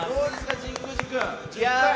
神宮寺君。